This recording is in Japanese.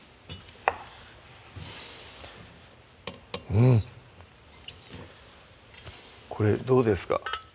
うんこれどうですか？